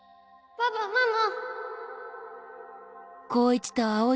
パパママ！